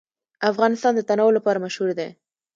افغانستان د تنوع لپاره مشهور دی.